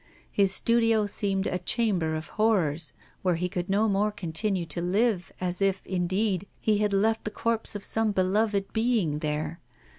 His studio seemed a chamber of horrors, where he could no more continue to live, as if, indeed, he had left the corpse of some beloved being there.